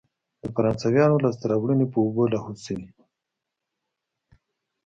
د فرانسویانو لاسته راوړنې په اوبو لاهو شوې.